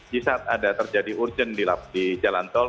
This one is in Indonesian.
di saat ada terjadi urgent di jalan tol